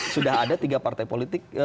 sudah ada tiga partai politik